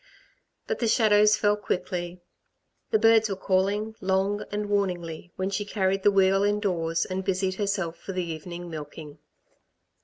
But the shadows fell quickly. The birds were calling, long and warningly, when she carried the wheel indoors, and busied herself for the evening milking.